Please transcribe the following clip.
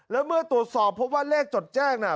แล้วเมื่อตรวจสอบพบว่าเลขจดแจ้งน่ะ